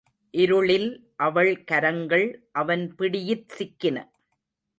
இருளில் அவள் கரங்கள் அவன் பிடியிற் சிக்கின.